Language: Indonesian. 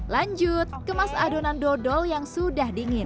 lanjut kemas adonan dodol yang sudah dingin